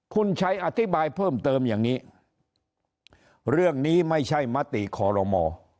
คุณชัยอธิบายเพิ่มเติมอย่างนี้เรื่องนี้ไม่ใช่มติคอรมอ